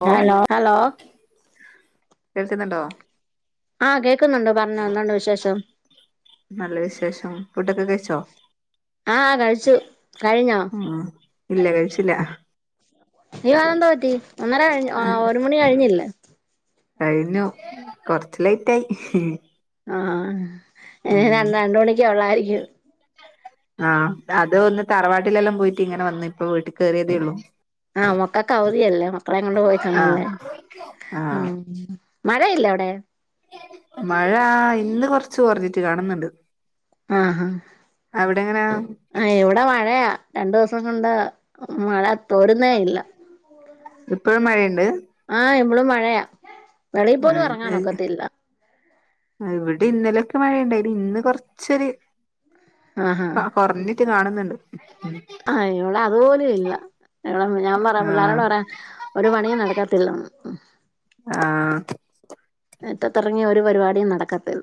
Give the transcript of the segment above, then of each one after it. [unintelligible] Hello കേൾക്കുന്നെണ്ടോ ആഹ് കേക്കുന്നുണ്ട് പറഞ്ഞോ എന്തോണ്ട് വിശേഷം നല്ല വിശേഷം ഫുഡൊക്കെ കഴിച്ചോ ആഹ കഴിച്ചു കഴിഞ്ഞോ അ ആഹ് ഇല്ല കഴിച്ചില്ല യോതന്തോ പറ്റി ഒന്നര കഴി ഒരു മണി കഴിഞ്ഞില്ലേ കഴിഞ്ഞു കൊറച്ച് ലേറ്റ് ആയി ഹ് ഹ് ആഹ ഏ രണ്ടര രണ്ട് മണിക്കൊള്ളായിരിക്കും ആഹ് അത് ഒന്ന് തറവാട്ടിലെല്ലാം പോയിട്ട് ഇങ്ങനെ വന്ന് ഇപ്പ വീട്ടി കയറിയതേ യുള്ളൂ ആഹ് മക്കൾക്ക് അവധിയല്ലേ മക്കളെകൊണ്ട് പോയികാണുഉം ആഹ് ല്ലേ ഉ ആഹ് മഴയില്ലേ അവിടെ മഴ ഇന്ന് കൊറച്ച് കുറഞ്ഞിട്ട് കാണുന്നുണ്ട് ആഹ അവിടെ എങ്ങനാ ആ ഇവിടെ മഴയാ രണ്ടു ദിവസം കൊണ്ട് മഴ തോരുന്നേയില്ല ഇപ്പഴും മഴയ്ണ്ട്? ആഹ എമളും മഴയാ വെളിയിൽ പോലും ഇറങ്ങാൻ [unintelligible] ഒക്കത്തില്ല അ ഇവ്ടി ഇന്നലൊക്കെ മഴയുണ്ടായിന് ഇന്ന് കൊറച്ചൊര ആ ഹാ അ കുറഞ് ത്തി കാണുന്നുണ്ട്ഹും ഹും ത് ഹാ ഇവിടെ അതുപോലുഇല്ല എവിടെ ഞാൻ ആഹ് പറയപിള്ളേരോട് പറയാ ഒരു പണിയും നടക്കത്തില്ലന്ന് ഉം ആഹ് മിറ്റത്തിറങ്ങിയ ഒരു പരിപാടിയും നടക്കത്തില്ല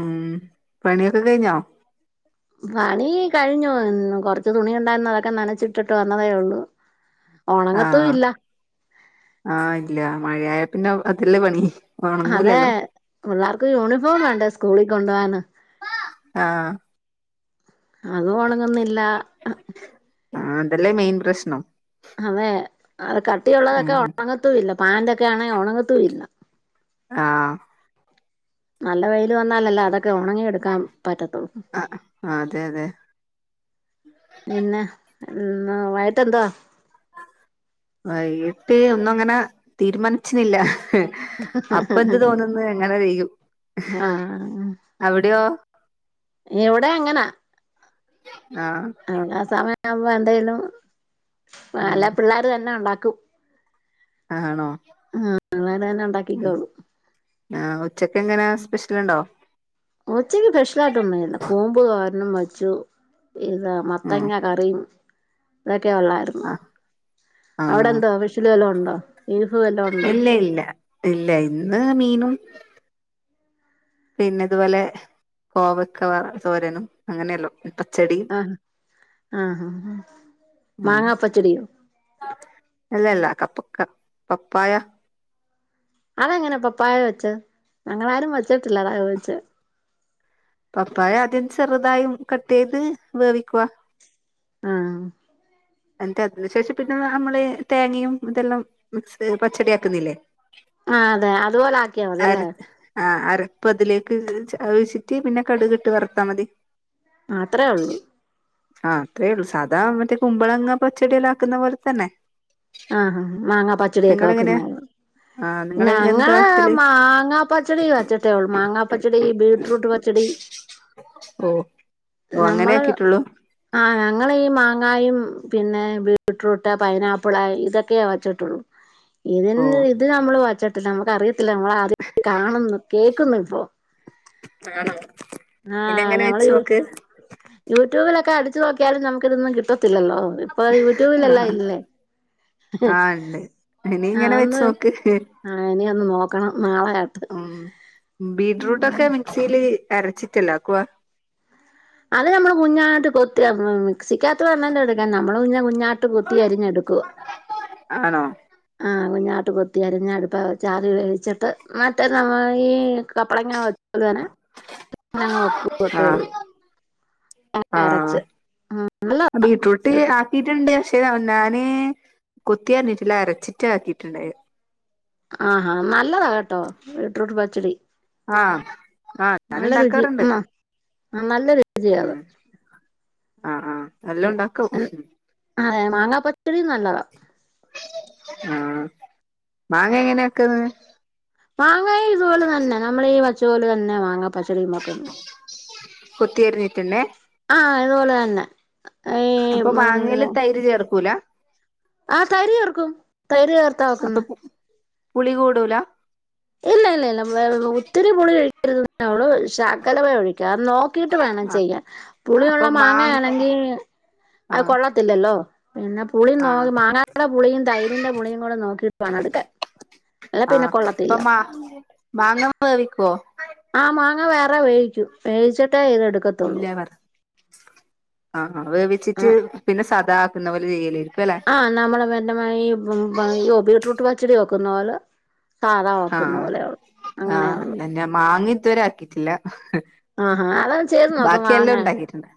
ഉം പണിയൊക്കെ കഴിഞ്ഞോ പണി കഴിഞ്ഞു കൊറച്ച് തുണി ഒണ്ടായിരുന്നു അതൊക്കെ നനച്ചിട്ടിട്ട് വന്നതേ ഒള്ളു ആഹ് ആഹ് ഇല്ല മഴയായ പിന്നെ അതല്ലേ പണി അതെ ഒണങ്ങൂലല്ലോ പിള്ളാർക്ക് യൂണിഫോം വേണ്ടേ സ്കൂളിൽ കൊണ്ടു പോകാന് ആഹ് അതും ഒണങ്ങുന്നില്ല ആ അതല്ലേ മെയിൻ പ്രശ്നം അതേ അത് ഉം കട്ടിയുള്ളതൊക്കെ ഒണങ്ങത്തൂല്ല പാന്റൊക്കെ ആണെ ഒണങ്ങത്തൂ ഇല്ല ആഹ് നല്ല വെയില് വന്നാലല്ലേ അതൊക്കെ ഉണങ്ങി എടുക്കാൻ പറ്റത്തുള്ളൂ ആഹ് അതെ അതെ പിന്ന ഇന്ന് വയ്യിട്ട് എന്തുവ വൈട്ട് ഒന്നും അങ്ങന തീരുമാനിച്ചുന്നില്ല അപ്പൊ എന്ത് തോന്ന്ന്ന് അങ്ങനെ പെയ്യും അവിടെയോ എവിടെം അങ്ങനാ ആഹ് നമ്മട സമയം ആവുംമ്പോ എന്തേലും ഉം നല്ല പിള്ളാര് തന്നെ ഒണ്ടാക്കും ആണോ ആ അങ്ങനന്നെ ഉണ്ടാക്കിക്കോ ആ ഉച്ചക്കെങ്ങന സ്പെഷ്യലുണ്ടോ ഉച്ചയ്ക്ക് സ്പെഷ്യലായിട്ട് ഒന്നുല്ല കൂമ്പ് തോരനും വെച്ചു ഇതാ ഉം മത്തങ്ങാ കറിയും ഇതൊക്കെ ഒള്ളായിരുന്നു ആഹ് അവിടെ ആഹ് എന്തോ സ്പെഷ്യല് വല്ലാം ഒണ്ടോ ബീഫ് വല്ലോം ഉണ്ടോ? ഇല്ല ഇല്ല ഇല്ല ഇന്ന് മീനും പിന്നെ ഇതുപോലെ കോവക്ക വർതോരനും അങ്ങനെല്ലാം ആഹ് ആഹ് ഹ ഹ ഉം മാങ്ങാ പച്ചടിയോ അല്ലല്ല കപ്പക്ക പപ്പായ അതെങ്ങന പപ്പായ വെച്ച ഞങ്ങളാരും വെച്ചിട്ടില്ല അതാ ചോയിച്ച പപ്പായ ആദ്യം ചെറുതായും കട്ടെയ്ത് വേവിക്കുവ ആഹ് എന്നിട്ട് അതിനുശേഷം പിന്നെ നമ്മള് തേങ്ങയും ഇതെല്ലാം മിക്സ് പച്ചടി ആക്കുന്നില്ലേ ആഹ് അതെ അതുപോലാക്കിയ മതിയല്ലേ ആ അരപ് അതിലേക്ക് ഒഴിച്ചിട്ട് പിന്നെ കടുകിട്ട് വറത്താ മതി ആഹ് അത്രെ ഒള്ളു ആഹ് അത്രേയൊള്ളു സാധാ മറ്റേ കുമ്പളങ്ങ പച്ചടിയല്ലാക്കുന്ന പോല തന്നെ ആഹ് മാങ്ങാ പച്ചടിയൊക്ക വെക്കുന്ന പോലെ ആണ് ഞങ്ങള് മാങ്ങാപ്പച്ചടി വെച്ചിട്ടേഒള്ളു മാങ്ങാപ്പച്ചടി ബീട്രൂട്ട് പച്ചടി ഓഹ് ഓ അങ്ങനെ നമ്മള് ആക്കിട്ടോള്ളൂ ആഹ് ഞങ്ങളീ മാങ്ങായും പിന്നെ ബീട്രൂട്ട് പൈനാ പ്പിള് ഇതൊക്കെയ വെച്ചിട്ടൊള്ളൂ ഇതിന് ഓഹ് ഇത് നമ്മള് വെച്ച ഇത് നമുക്കറിയത്തില്ല നമ്മള് ആദ്യാട്ട് കാണുന്നു കേക്ക്ന്നിപ്പോ ആണോ ഇനി ആഹ് അങ്ങനെ ഞമ്മള് വെച്ച് യു നോക്ക് യൂട്യൂബിലൊക്കെ അടിച്ചു നോക്കിയാലും നമുക്ക് ഇതൊന്നും കിട്ടത്തില്ലല്ലോ ഇപ്പ ആഹ് യൂട്യൂബിലെല്ലാം ഇല്ലേ ആഹ് ഇണ്ട് ഇനി ഇങ്ങന അതൊന്ന് വെചോക്ക് ഹ് ആഹ് ഇനി ഒന്ന് നോക്കണം നാളെ ഉം ബീറ്റ്റൂട്ടൊക്കെ മിക്സീല് അരച്ചിട്ടല്ലേ ആക്കുവ അത് നമ്മള് കുഞ്ഞാട്ട് കൊത്തി മിക്സിക്കാതു വെണ്ണനെ എടുക്കാൻ നമ്മള് പിന്ന കുഞ്ഞാട്ട് കൊത്തിയരിഞ്ഞെടുക്കുവ ആണോ ആഹ് കുഞ്ഞാട്ട് കൊത്തിയരഞ്ഞടുപ്പെ വെച്ചാ അത് വെച്ചിട്ട് മറ്റേ നമ്മ ഈ കപ്പളങ്ങാ വഴുതന അങ്ങനങ്ങു വെ കൂവത്തേ ള്ളൂ ആഹ് അരച് മ്മ് അല്ല ബീട്ട്റൂട്ട് ആക്കിയിട്ടുണ്ട് പക്ഷേ നാന് കൊത്തിയരിഞ്ഞിറ്റ്ല്ല അരച്ചിറ്റ് ആക്കിട്ടുണ്ടായ ആഹാ നല്ലതാ ട്ടോ ബീട്രൂട്ട് പച്ചടി ആഹ് ആഹ് ഞാന്ണ്ടാക്കാറുണ്ട് ആ നല്ലരുചിയാണ് ആഹ് ആഹ് എല്ലോം ണ്ടാക്കും അതെ മാങ്ങാ പച്ചടി നല്ലതാ ആഹ് മാങ്ങ ങ്ങനെയ വെക്ക്ന്ന് മാങ്ങായിതുപോല തന്നാ നമ്മളീ വെച്ചപോല തന്ന മാങ്ങ പച്ചടി ണ്ടാക്ക്ന്ന് കൊത്തി അരിഞ്ഞിട്ടന്നെ ആഹ അതുപോലെന്നെ അപ്പൊ മാങ്ങേല് തൈര് ചേർക്കൂല ആഹ് തൈര് ചേർക്കും തൈര് ചേർത്ത വെക്കുന്നെ പുളികൂടൂല ഇല്ല ല്ല ല്ല ഒത്തിരി പുളി ഒഴിക്കരുത് നമ്മള് ശകലമേ ഒഴിക്കാ നോക്ക ത്തിട്ട് വേണേൽ ആഹ് ചെയ്യാൻ പുളിയുള്ള അപ്പൊ മാങ്ങ മാങ്ങയാണെങ്കിൽ അ ആഹ് കൊള്ള ത്തില്ലല്ലോ പിന്നെ പുളിയും നോ ആഹ് മാങ്ങയുടെ പുളിയും തൈരിന്റെ പുളിയും കൂടെ നോക്കി ആഹ് പ്പൊ കൊള്ളത്തില്ല മാ മാങ്ങ വേവിക്കുവോ ആഹ് മാങ്ങ വേറെ വേവിക്കും വേവിച്ചിട്ട് ഇതെടു ഇല്ല പറ ആഹ് ആ ആ വേവിച്ചിട്ട് പിന്നെ സാദാക്കുന്ന പോലെ ചെയ്യല്ലേര്ക്ക് ല്ലെ ആ്ഹ് നമ്മള് [unintelligible] ഈ ബീ്ട്രൂട്ട് പച്ചടി വെക്കുന്ന പോല ആഹ് അങ്ങനെ ആഹ് ഉള്ളു അങ്ങനെയുള്ളു. അല്ലന്നാ മാങ്ങതുവരെ ആക്കിട്ടില്ല ആഹാ അത് ചെയ്ത് നോക്ക് ബാക്കി മാങ്ങ ല്ലാം ണ്ടാക്കിട്ടുണ്ട്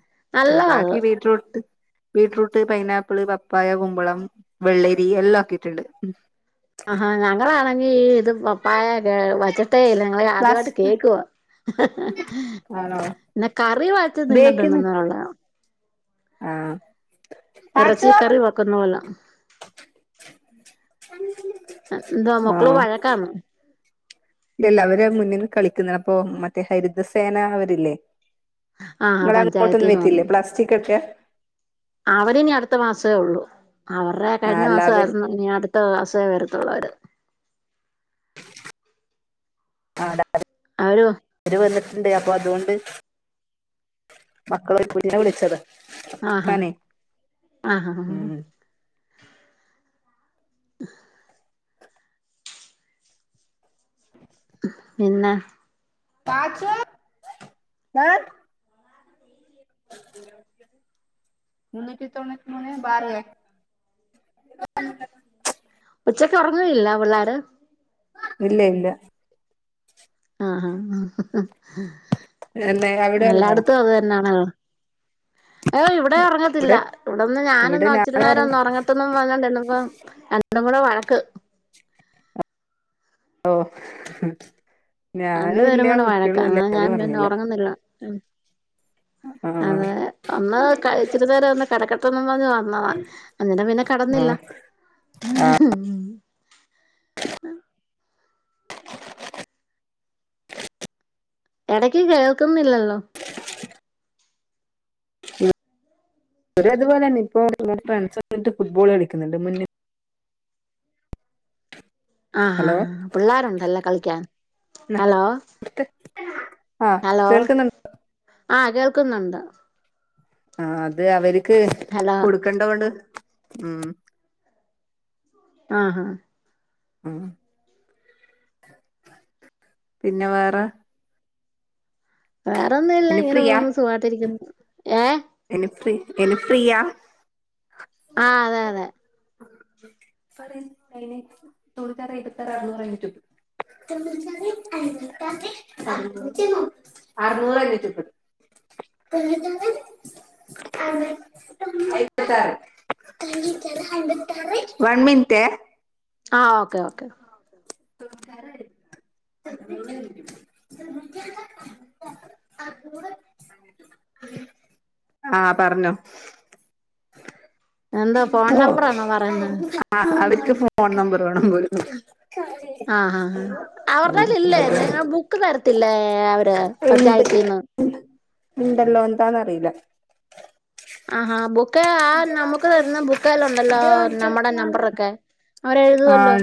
മ് നല്ലതാ അത് ബാക്കി ബീട്രൂറൂട്ട് ബീട്രൂട്ട് പൈനാപ്പിള് പപ്പായ കുമ്പളം വെള്ളരി എല്ലാം ആക്കിട്ടുണ്ട് ആഹാ ഞാ ണെങ്കിൽ ഇത് പപ്പായെ വച്ചി ട്ടേയില്ല ഞങ്ങള് പ്ലസ് ആദ്യവായിട്ട് കേക്കുവാ ഹ ഹ ആന്നോ ന്നെ കറി വച്ച് തിന്നിട്ടുണ്ട്ന്നൊള്ളു ആ എറചി കറി വക്കുന്ന [unintelligible] [unintelligible] ന്തോ മൊക്കള് വഴക്കാണോ ല്ലല്ല അവര് മുന്നിൽ കളിക്ന്ന് അപ്പൊ മറ്റേ ഹരിതസേന അവരില്ലേ ആഹ് ങ്ങളെങ്ങോട്ടൊന്നും പഞ്ചായത്തീന്ന് ബര്തില്ലേ പ്ലാസ്റ്റിക്ക്കെ അവര്നി അടുത്ത മാസേ ഒള്ളൂ അവരെ ആഹ് കഴിഞ്ഞ എല്ലാവരും മാസായിരുന്നു ഇനിഅടുത് ത്ത സെ വരത്തുള്ളവര് [unintelligible] ആരോ രു വന്നിട്ട്ണ്ട് അപ്പൊ അതുകൊണ്ട് മക്കളെ കുഞ്ഞിനെ വിളിച്ചത ആഹാ തനെ ആഹാ ഉം ഹ് പിന്നെ പാച്ചോ [unintelligible] മുന്നൂറ്റിതൊണ്ണൂറ്റ്മൂന്നേ ബാർ ഉച്ചക്ക് ഒറങ്ങല്ല പിള്ളാര് ഇല്ല ഇല്ല ആഹ ആഹ് എന്നെ അവിടെ ഉറങ്ങോ എല്ലായിടത്തും അത് തന്നെയാണല്ലോ ഏയ് ഇവിടെ ഒറങ്ങത്തില്ല ഇവിടെ ഇവിടെന്ന് ഇവിടെ ഞാനൊന്നു ഒച്ചിരി ഞാൻ നെര ഉറങ്ങി ന്നും ഒറങ്ങട്ടെ [unintelligible] രണ്ടും കൂടെ വഴക്ക് ഓ രണ്ടു ഞാനും ല്ല പേരും കൂടെ വഴക്കാ കുട്ടികളുല്ല അങ്ങനെ ഞാൻ ആരും പിന്നെ ഒറങ്ങുല ഉറങ്ങുന്നില്ല ഉം അഹ് അഹ്ഹ ആഹ് അതെ ഒന്ന് ഇച്ചിരി നേരംന്ന് കടക്കട്ടെന്നും പറഞ്ഞ് വന്നതാ അന്നിട്ട് പിന്ന ആ കടന്നില്ല ഉം [inaudible] എടയ്ക്ക് കേൾക്കുന്നില്ലല്ലൊ ഇവരുംഅതുപോലെന്നെ ഇപ്പോ ഫ്രണ്ട്സ് ന്ന്ട്ട് ഫുട്ബോൾ കളിക്കുന്നുണ്ട് മുന്നിൽ ആഹ് ഹലോ ആഹ് പിള്ളാരുണ്ടല്ലേ കളിക്കാൻ ന്നാ ഹലോ ഇവിടുത്തെ ആ ഹലോ കേൾക്കുന്നുണ്ട് ആഹ് കേൾക്കുന്നുണ്ട് ആഹ് അത് അവര്ക്ക് ഹലോ കൊടുക്കണ്ടോണ്ട് ഉം ആഹ് ഉം പിന്നെ വേറെ വേറെന്നുല്ല ഇനി ഇങ്ങനെ പോവുന്നു സുഖവായിട്ടിരിക്കുന്നു ഏഹ് എനി ഫ്രീ ഇനി ഫ്രീയാ ആഹ് അതെ തെ തൊണൂറ്റാറ് എയ്പത്താറ് അറുന്നൂറ് റ്റു [unintelligible] അറ്നൂറേ [unintelligible] [unintelligible] വൺ മിനിറ്റെ ആഹ് ഓക്കെ ഓക്കെ [unintelligible] ആഹ് പറഞ്ഞോ എന്തോ ഫോൺ നമ്പറാണോ പറയുന്നത് ആഹ് അവര്ക്ക്‌ ഫോൺ നമ്പർ വേണം പോലും ആഹ് ആഹ് ആഹ് ഉം. അവർടെലില്ലേ നിങ്ങ ബുക്ക് തരത്തില്ലേ അവര് ഉണ്ട് പഞ്ചായത്തീന്ന് ഉണ്ടല്ലോ എന്താന്നറീല്ല ആഹാ ബുക്ക്‌ ആ നമുക്ക് തരുന്ന ബുക്കെ കാണിച്ചു ഉണ്ടല്ലോ ഇത് കാണിച്ചു നമ്മടെ കൊടുക്കാനാണ് നമ്പറൊക്കെ അവരെ എഴുതുവല്ലോ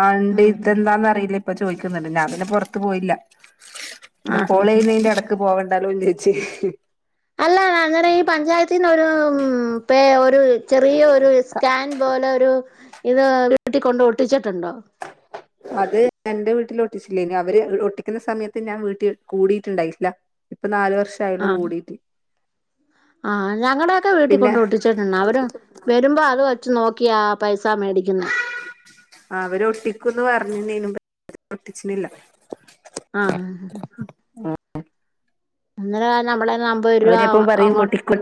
ആഹ് എന്റെ തെന്താന്ന്റിയില ഇപ്പ ചോയ്ക്കുന്നുണ്ട് ഞാൻ പിന്നെ പൊർത്ത് പോയില്ല ആഹ് ആഹ് കോളെയ്യുന്നേന്റെടക് ക്ക് പോവണ്ടാലോ വിചരിച്ച് അല്ല അങ്ങനെ ഈ പഞ്ചായത്തിന്ന് ഒരു ഉം പെ ഒരു ചെറിയ ഒരു സ്കാൻ പോലൊരു ഇത് വീട്ടിൽക്കൊണ്ട് ഒട്ടിച്ചിട്ടുണ്ടോ അത് എന്റെ വീട്ടിൽ ഒട്ടിച്ചില്ല അവര് ഒട്ടിക്കുന്ന സമയത്ത് ഞാൻ വീട്ടിൽ കൂടിട്ടുണ്ടായില്ല ഇപ്പൊ നാലു വർഷം ആയുള്ളൂ ആഹ് കൂടിട്ട് ആഹ് ഞങ്ങടെയൊക്കെ വീട്ടിൽ കൊണ്ട്ഒട്ടിച്ചിട്ടുണ്ട്. അവര് വരുമ്പോ അത് വെച്ച് നോക്കിയാ പൈസ മേടിക്കുന്നെ അവര് ഒട്ടിക്കുന്ന് പറഞ്ഞിനീനു പക്ഷെ ഒട്ടിച്ചില്ല ആഹ് അന്നേരം നമ്മടേന്ന് അമ്പത് രുപ അവരെപ്പം പറയും അങ്ങോട്ട് ഒട്ടിക്കും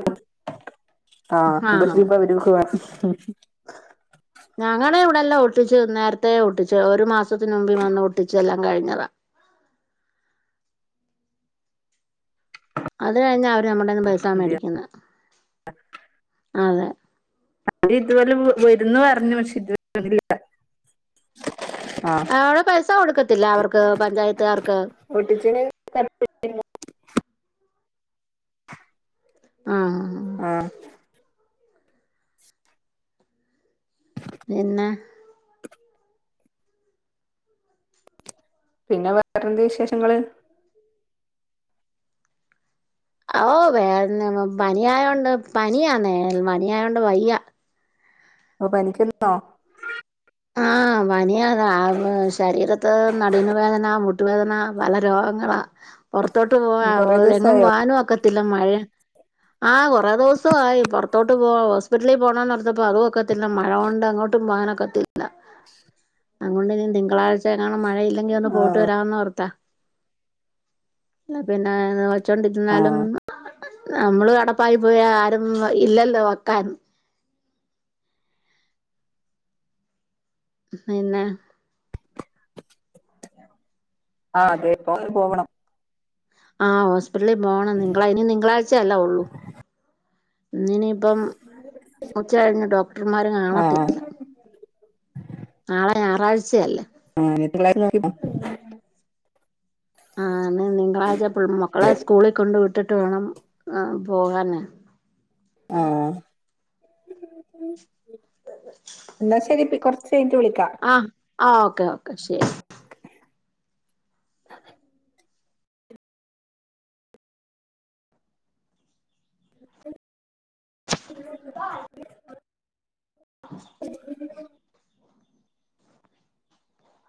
ആഹ് അമ്പത് രൂപ അവർക്ക് വേണം ഞങ്ങടെ ഇവിടെല്ലാം ഒട്ടിച്ചു നേരത്തെ ഒട്ടിച്ചു. ഒരു മാസത്തിന് മുമ്പേ വന്ന് ഒട്ടിച്ചെല്ലാം കഴിഞ്ഞതാ അത് കഴിഞ്ഞാ അവര് നമ്മോടേന്ന് പൈസ അതെ മേടിക്കുന്നെ അതെ അത് ഇതു പോലും വരുന്ന് പറഞ്ഞു പക്ഷെ ഇതുവരെ വന്നില്ല. ആഹ് അവിടെ പൈസ കൊടുക്കത്തില്ല അവർക്ക് പഞ്ചായത്തുകാർക്ക്. ഒട്ടിച്ചേന് [unintelligible] [inaudible] ആഹ് ആഹ് [inaudible] ഇന്നെ പിന്നെ വേറെ എന്ത് വിശേഷങ്ങള്. ഓ വേറെ പനിയായോണ്ട് പനിയാ നേ പനിയായോണ്ട് വയ്യ. ഇപ്പൊ പനിക്കുനോ? ആഹ് പനിയാട [unintelligible] ശരീരത്ത് നടുവിന്ന് വേദനാ. മു ട്ടുവേദന പല രോഗങ്ങള. പൊറത്തോട്ട് പോഹ കൊറേ ഏ ങ്ങും പോ ദിവസായോ ആനും ഒക്കെ മഴ ആഹ് കൊറേ ദെവസ ആയി പൊറത്തോട്ട് പോവ ഒ ലിൽ പോണോന്ന് പറ്ഞട്ട് അതു ഒക്കത്തില്ല. മയോണ്ട് എങ്ങോട്ടും പോകാനൊക്കത്തി. ല്ല അങ്ങനൊണ്ടെങ്കി തിങ്കളാഴ്ച [unintelligible] മഴയില്ലെങ്കി ഒന്ന് പോട്ട് ആഹ് വരാന്ന് ഓർത്താ അല്ല പിന്നെ ച്ചോണ്ടിരുന്നാലും ആഹ് അമ്മള് കടപ്പായി പോയ ആരും ഇല്ലല്ലോ വെക്കാൻ. പിന്നെ. ആഹ് അതെ ഇപോ [unintelligible] പോവണം. ആഹ് ഹോസ്പിറ്റ്ലിൽ പോണം. നിങ്കളൈനി നിങ്കളാഴ്ചയല്ല ഒള്ളൂ. ഇ ഇനിയിപ്പം ഉച്ച കഴിഞ്ഞ് ഡോക്ടർമാര് കാണത്തി നാളെ ഞായറാഴ്ചയല്ലേ ആത്ര [unintelligible] നോക്കിപ്പോ ആഹ് നിങ്കളാഴ്ച എപ്പളും മക്കളെ സ്കൂളി കൊണ്ട് വിട്ടിട്ട് വേണം പോകാന്. ആഹ് [inaudible] എന്നാ ശരി. പ്പി കൊറ്ച്ച് കഴിഞ്ഞ്ട് വിളിക്കാം. ആഹ് ആഹ് ഓക്കേ ഓക്കെ ശെരി. [inaudible] [inaudible]